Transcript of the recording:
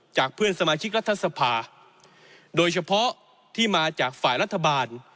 เพื่อนสมาชิกรัฐสภาโดยเฉพาะที่มาจากฝ่ายรัฐบาล